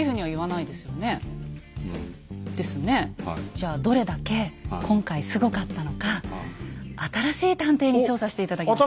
じゃあどれだけ今回すごかったのか新しい探偵に調査して頂きました。